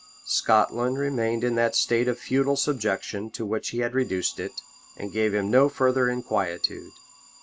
Scotland remained in that state of feudal subjection to which he had reduced it, and gave him no further inquietude.